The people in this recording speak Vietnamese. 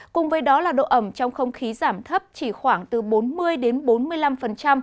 cùng với đó là độ ẩm trong không khí giảm thấp chỉ khoảng từ bốn mươi đến bốn mươi năm